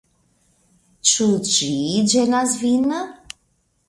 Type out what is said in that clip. Ĉu ĝi ĝenas vin?